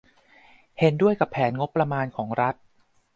เห็นด้วยกับแผนงบประมาณของรัฐ